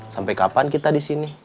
sampai kapan kita di sini